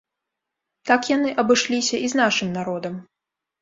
Так яны абышліся і з нашым народам.